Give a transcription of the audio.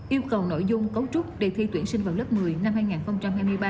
yêu cầu nội dung cấu trúc đề thi tuyển sinh vào lớp một mươi năm hai nghìn hai mươi ba